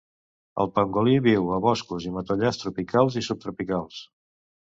El pangolí viu a boscos i matollars tropicals i subtropicals.